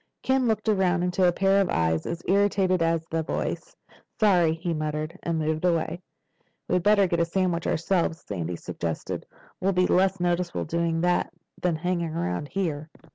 Ken looked around into a pair of eyes as irritated as the voice. "Sorry," he muttered, and moved away. "We'd better get a sandwich ourselves," Sandy suggested. "We'll be less noticeable doing that than hanging around here."